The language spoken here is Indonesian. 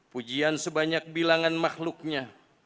pujian sebanyak bilangan makhluknya